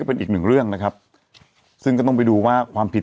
เป็นอีกหนึ่งเรื่องนะครับซึ่งก็ต้องไปดูว่าความผิด